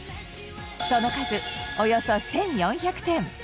その数およそ１４００店。